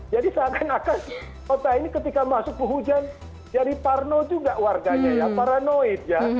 jadi seakan akan kota ini ketika masuk penghujan jadi parno juga warganya ya paranoid ya